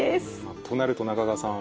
となると中川さん